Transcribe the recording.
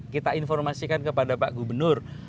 kita informasikan kepada pak gubernur